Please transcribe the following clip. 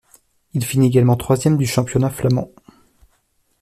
Il finit également troisième du championnat flamand.